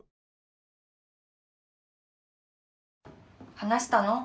・話したの？